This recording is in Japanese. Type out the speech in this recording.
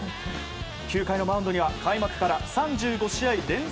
９回のマウンドには開幕から３５試合連続